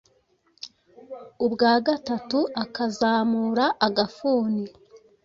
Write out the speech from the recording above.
ubwa gatatu ,akazamura agafuni.